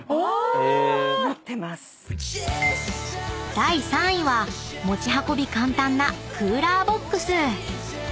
［第３位は持ち運び簡単なクーラーボックス］